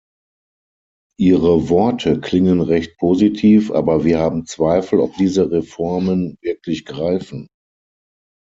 Ihre Wort klingen recht positiv, aber wir haben Zweifel, ob diese Reformen wirklich greifen.